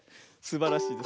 すばらしい。